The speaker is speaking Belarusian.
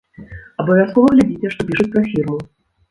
Абавязкова глядзіце, што пішуць пра фірму.